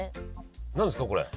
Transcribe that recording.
何ですかこれ？